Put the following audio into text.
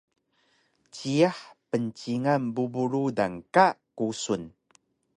Jiyax pncingan bubu rudan ka kusun